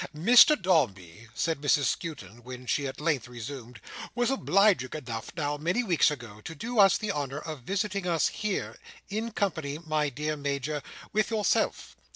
"Mr Dombey," said Mrs Skewton, when she at length resumed, "was obliging enough, now many weeks ago, to do us the honour of visiting us here; in company, my dear Major, with yourself.